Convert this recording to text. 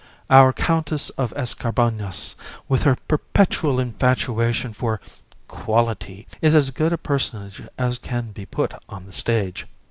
Our Countess of Escarbagnas, with her perpetual infatuation for "quality," is as good a personage as can be put on the stage.